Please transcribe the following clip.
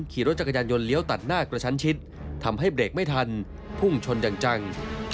ขี่รถจักรยานยนต์เลี้ยวตัดหน้ากระชั้นชิดทำให้เบรกไม่ทันพุ่งชนอย่างจัง